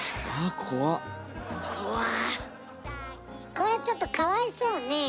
これちょっとかわいそうね。